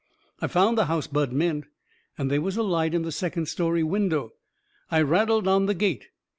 I found the house Bud meant, and they was a light in the second story window. I rattled on the gate.